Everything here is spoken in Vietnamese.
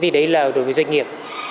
thì đấy là đối với doanh nghiệp